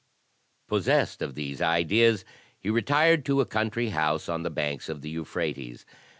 Possessed of these ideas he retired to a country house on the banks of the Euphrates.